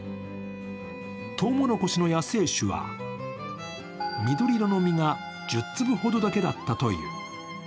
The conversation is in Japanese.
とうもろこしの野生種は緑色の実が１０粒ほどだけだったという。